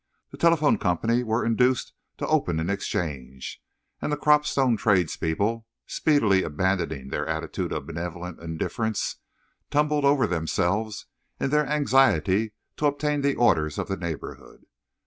The telephone company were induced to open an exchange, and the Cropstone tradespeople, speedily abandoning their attitude of benevolent indifference, tumbled over themselves in their anxiety to obtain the orders of the neighbourhood.